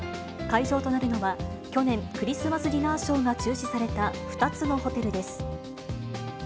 会場となるのは、去年、クリスマスディナーショーが中止された２つのホテルです。